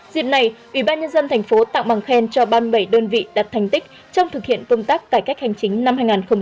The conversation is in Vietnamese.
dịp này ủy ban nhân dân thành phố tặng bằng khen cho ba mươi bảy đơn vị đặt thành tích trong thực hiện công tác cải cách hành chính năm hai nghìn một mươi chín